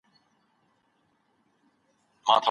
حضوري زده کړه منظم حضور ته اړتيا لري.